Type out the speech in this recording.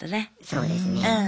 そうですね。